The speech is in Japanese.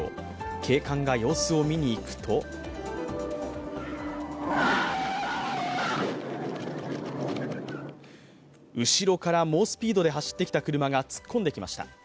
警官が様子を見に行くと後ろから猛スピードで走ってきた車が突っ込んできました。